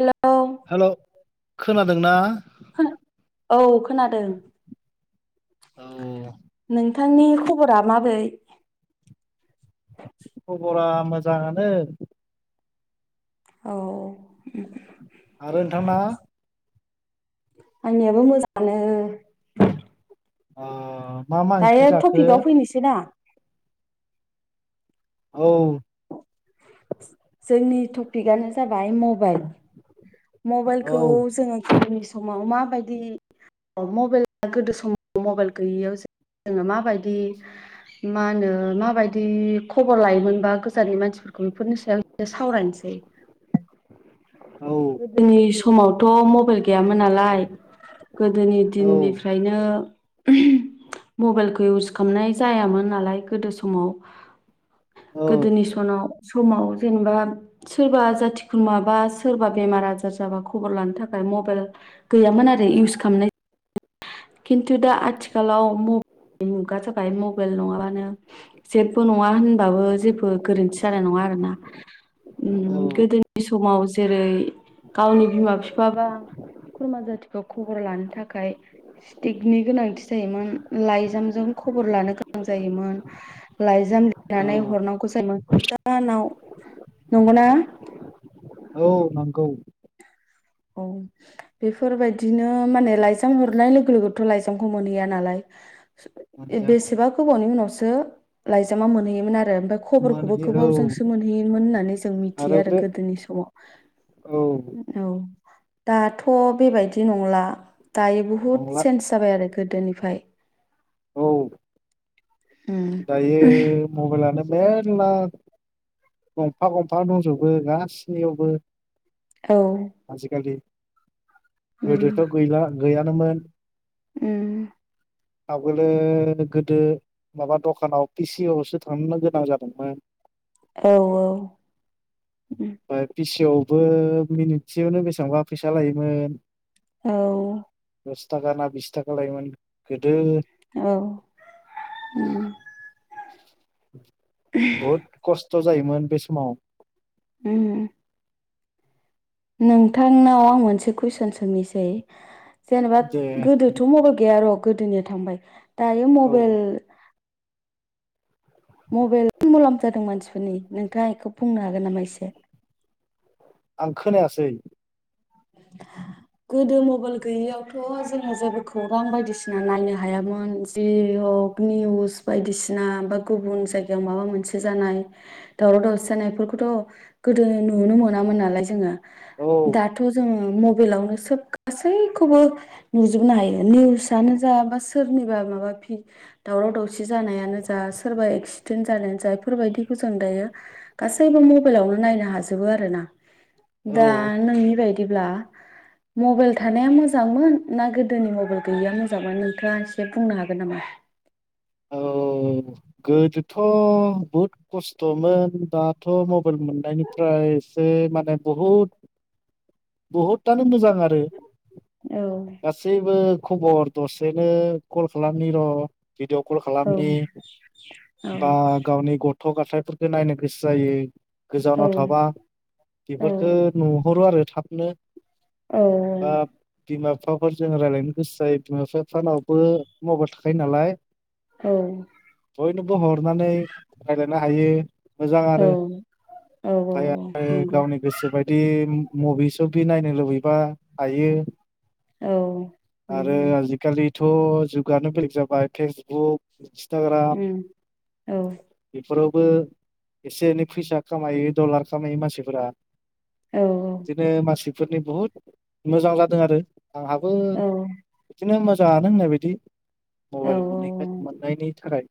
Hello hello खोनादोंना औ खोनादों। औ नोंथांनि खबरा माबोरै? खबरा मोजाङानो। औ। आरो नोंथांना? आंनियाबो मोजाङानो। अह। डायरेट टपिकआव फैनोसै ना? औ। जोंनि टपिकआनो जाबाय मबाइल । औ मबाइलखौ जोङो [unintelligible] समाव माबायदि मबाइला गोदो समाव मबाइल गैयैयाव जोङो माबायदि मा होनो माबायदि खबर लायोमोनबा गोजाननि मानसिफोरखौ बेफोरनि सायाव सावरायनोसै। औ गोदोनि समावथ' मबाइल गैयामोन नालाय गोदोनि औ दिननिफ्रायनो मबाइलखौ इउस खालामनाय जायामोन नालाय गोदो समाव गोदोनि सनाव समाव जेनेबा सोरबा जाथि खुरमा बा सोरबा बेमार आजार जाबा खबर लानो थाखाय मबाइल गैयामोन आरो इउस खालामनाय खिन्थु दा आथिखालाव मबाइल मुगा जाबाय मबाइल नङाबानो जेबो नङा होनबाबो जेबो गोरोन्थि जानाय नङा आरोना ओम औ गोदोनि समाव जेरै गावनि बिमा बिफाबा खुरमा जाथि खौ खबर लानो थाखाय स्टिकनि गोनांथि जायोमोन लाइजामजों खबर लानो गोनां जायोमोन लाइजाम नानै औ हरनांगौ जायोमोन। आनाव नंगौना? औ नंगौ। औ बेफोरबायदिनो माने लाइजाम हरनाय लोगो लोगोथ' लाइजामखौ मोनहैया नालाय। बेसेबा गोबावनि उनावसो रो लाइज जामा मोनहैयोमोन आरो ओमफ्राय खबरखौबो मोनहैयो गोबावजोंसो औ मोनहैयोमोन होननानै जों मिथियो आरो गोदोनि समाव औ औ। दाथ' बेबायदि नंला । दायो बुहुत नंला चेन्ज जाबाय आरो गोदोनि फाय । औ। दायो मबाइलानो मेरला गंफा गंफा दंजोबो गासैनियावबो । औ आजिकालि गोदोथ' गैला गैया नो मोन। ओम। आवगोलो गोदो माबा दखानाव पि सि अ सो थांनो गोनां जादोंमोन। औ औ। ओमफाय पि सि अ बो मिनिट सेयावनो बेसेबांबा फैसा लायो मोन। औ। दस थाखा ना बिस थाखा लायोमोन। गोदो औ ओम। [inaudible] बहुत कस स्थ' जायोमोन बे समाव ओम। नोंथां नाव आं मोनसे कुइसन सोंनोसै जेनेबा जे गोदोथ' मबाइल गैया र' गोदोनिया थांबाय। दायो औ मबाइल मबाइल मुलाम्फा जादों मानसि फोरनि नोंथाङा बेखौ बुंनो हागोन नामा एसे? आं खोनायासै। गोदो मबाइल गैयै यावथ' जोङो जेबो खौरां बायदि सिना नायनो हायामोन जि हक निउस बायदि सिना बा गुबुन जायगायाव माबा मोनसे जानाय दावराव दावसि जानाय फोरखौथ' गोदो नुनो मोनामोन नालाय जोङो। औ दाथ' मबाइलावनो सोब गासै खौबो नुजोबनो हायो निउसानो जा बा सोरनिबा माबा भि दावराव दावसि जानायानो जा सोरबा एक्सिडेन्ट जानायानो जा बेफोर बायदिखौ जों दायो गासैबो मबाइलावनो नायनो हाजोबो आरोना। दा औ नोंनि बायदि दिब्ला मबाइल थानाया मोजांमोन ना गोदोनि मबाइल गैयिया मोजांमोन नोंथाङा एसे बुंनो हागोन नामा? औ गोदो थ' बहुद खस्थ' मोन दाथ' मबाइल मोननाय निफ्राय एसे माने बहुद बहुदानो मोजां आरो। औ गासैबो खबर दसेनो कल खालामनि र' भिदिअ कल औ खालामनि बा गावनि गथ' गथ' गथाय फोरखौ नायनो गोसो जायो। औ गोजानाव थाबा औ बेफोरखौ नुहरो आरो थाबनो। औ औ। बिफाफोर जों रायलायनो गोसो जायो बिमा बिफा नावबो माबाइल थाखायो नालाय। औ। बयनोबो हर सनानै रायलायनो हायो मोजां औ आरो औ नंगौ गावनि गोसोबायदि मुभि सुभि नायनो लुबैबा हायो। औ आरो उम आजि खालि थ' जुगानो बेलेग जाबाय फेस। औ। इन्सटाग्राम। उम औ बेफोरावबो एसे एनै फैसा खामायो डलार खामायो मानसिफोरा। औ बिदिनो मासि। फोरनि बुहुत मोजां जादों आरो। आंहाबो औ बिदिनो मो जानो होननाय बायदि। मबाइल खौनो। औ मोननायनि थाखाय।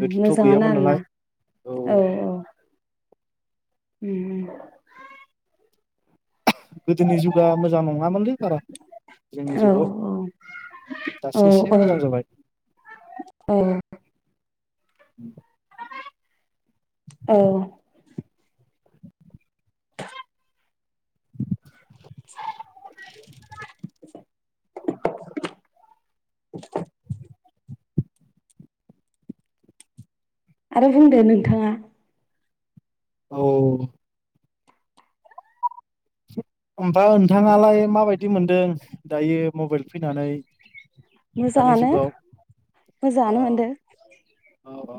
गोदोथ' मोजाङानो गैयामोन आरोना नालाय औ औ। ओम ओम। गोदोनि जुगा मोजां नङामोनलै बारा जोंनि औ जुगाव दासो एसे औ औ मोजां जाबाय। औ उम। औ। [inaudible] आरो बुंदो नोंथाङा। औ। ओमफाय नोंथाङालाय माबायदि मोनदों दायो? मबाइल फैनानै। दानि मोजाङानो जुगाव मोजाङानो अ' मोनदो औ ओ।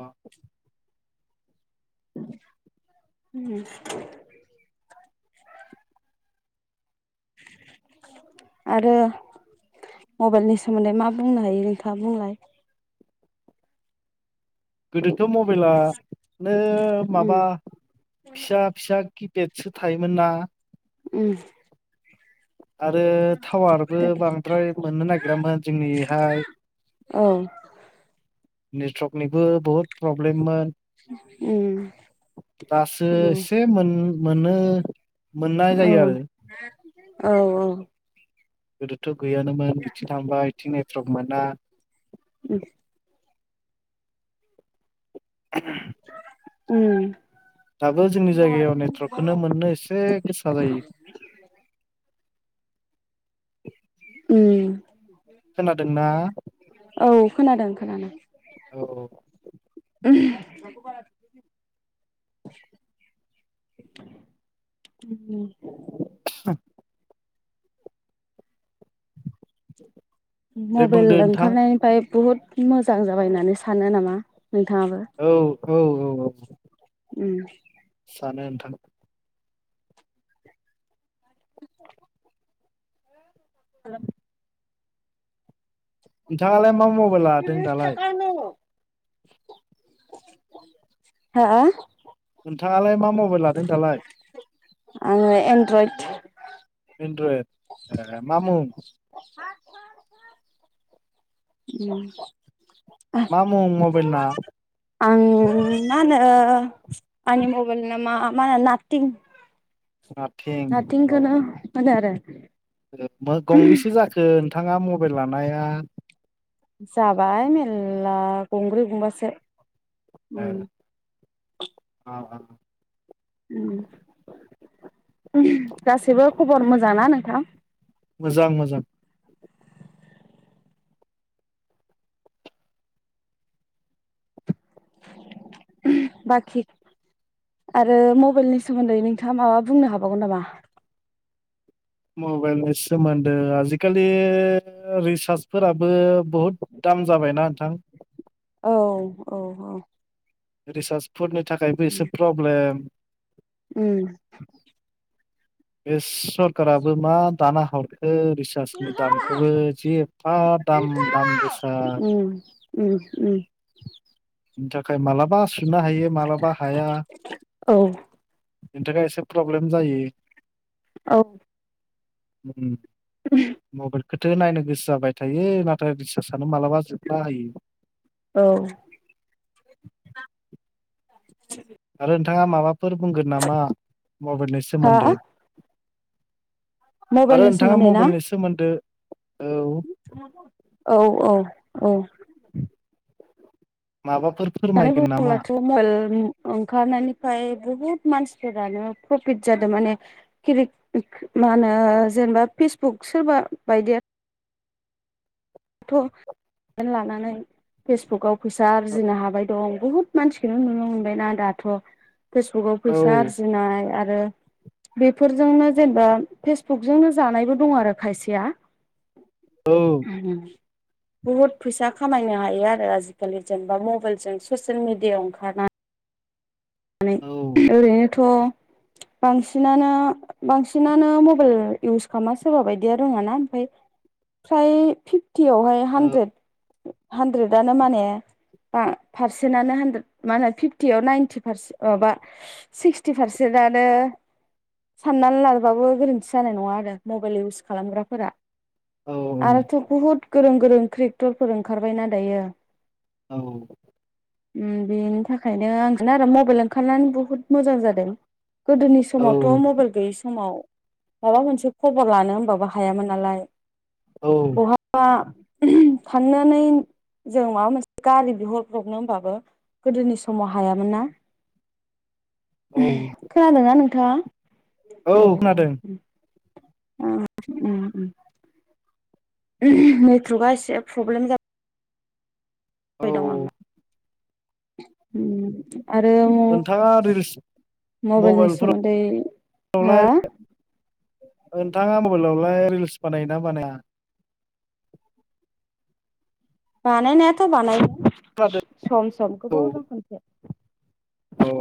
[unintelligible] आरो मबाइलनि सोमोन्दै मा बुंनो हायो नोंथाङा बुंलाय? गोदोथ' मबाइला। ननो माबा उम फिसा फिसा। किपेडसो थायोमोन ना उम आरो टावारबो बांद्राय मोननो नागिरामोन जोंनिहाय औ नेटवर्कनिबो बहुद प्रब्लेममोन उम दासो एसे मोनो मोननाय औ जायो औ औ आरो [inaudible] गैयानोमोन बिथिं थांबा बिथिं नेट्रवाक मोना [inaudible] उम दाबो जोंनि जायगायाव नेटवर्कखौ मोननो एसे गोसा जायो उम खोनादोंना? औ खोनादों खोनादों औ उम [inaudible] [inaudible] दे बुंदो मबाइल नोंथां ओंखारनायनिफ्राय बुहुद मोजां जाबाय होननानै सानो नामा? नोंथाङाबो औ औ औ औ । उम सानो नोंथां । [inaudible] नोंथाङालाय मा मबाइल लादों दालाय । हा नोंथाङालाय । मा मबाइल लादों दालाय । आं एन्ड्रइड इन्ड्रइड मा मुं । उम मा मुं मबाइल ना आं मा होनो आंनि मबाइल नि मा मा होनो नाथिं नाथिं अ नाथिंखौनो होनो आरो गंबेसे जाखोन नोंथाङा मबाइल लानाया जाबाय मेर्ला गंब्रै गंबासो ओ उम [inaudible] गासिबो खबर मोजां ना नोंथां मोजां मोजां बाखि आरो मबाइलनि सोमोन्दै नोंथाङा माबा बुंनो हाबावगोन नामा? मबाइलनि सोमोन्दो आजिखालि रिसार्जफोराबो बहुद दाम जाबायना नोंथां । औ औ औ । रिसार्जफोरनि थाखायबो एसे प्रब्लेम उम । बे सरखाराराबो मा दाना हरखो रिसार्जनि दामखौबो जे एफा दाम दाम गोसा उम उम उम बिनि थाखाय मालाबा फिन्नो हायो मालाबा हाया औ बेनि थाखाय एसे प्रब्लेम जायो औ उम मबाइल खौथो नायनो गोसो जाबाय थायो नाथाय रिसार्जानो मालाबा जोबला होयो औ आरो नोंथाङा माबाफोर माबाफोर बुंगोन नामा मबाइलनि हा सोमोन्दै आरो मबाइलनि नोंथाङा सोमोन्दै ना मबाइलनि सोमोन्दो औ -औ- औ माबाफोर होननानै फोरमायगोन नामा बुोब्लाथ' मबाइल ओंखारनायनिफ्राय बुहुद मानसिफोरानो प्रफिट जादों माने के मा होनो जेनेबा फेसबुक सोरबा बायदि आरो दाथ' लानानै फेसबुकाव फैसा आरजिनो हाबाय दं बहुद मानसिखौनो नुनो मोनबायना दाथ' फेसबुकाव औ फैसा आरजिनाय आरो आरो बेफोरजोंनो जेनेबा फेसबुकजोंनो जानायबो दं आरो खायसेया औ बुहुद फैसा खामायनो हायो आरो आजिखालि जेनेबा मबाइलजों ससियेल मिडियाायाव ओंखारनानै औ ओरैनोथ' बांसिनानो बांसिनानो मबाइल इउस खालामा सोरबा बायदिया रोङाना ओमफ्राय फ्राय फिपटि आवहाय हानद्रेद हानद्रेदआनो माने पारसेन्टआनो हानद्रेद मा होनो फिफ्टियाव नाइनटि फारसे माबा सिक्सटि पारसेन्टानो साननानै लाबाबो गोरोन्थि जानाय नङा आरो मबाइल इउस खालामग्राफोरा औ आरोथ' बहुद गोरों गोरों क्रिएटरफोर ओंखारबायना दायो औ बेनि थाखायनो आं दाना आरो मबाइल ओंखारनानै बुहुत मोजां जादों गोदोनि समावथ' औ मबाइल गैयै समाव माबा मोनसे खबर लानो होनबाबो हायामोन नालाय औ बहा फाननानै जों माबा मोनसे गारि बिहरब्रबनो होनबाबो गोदोनि समाव हाया ना औ खोनादों ना नोंथां थां। औ खोनादों? ओम उम उम नेटवर्कआ एसे प्रब्लेम जा औ बाय दं आंना। उम आरो नोंथाङा रिल्स मबाइलनि मबाइलफोरावलाय सोमोन्दै हा आवलाय रिल्स बानायोना बानाया? बानायायनायाथ' बानायो। सम सम गोबाव खोनादों जों औ खनसे।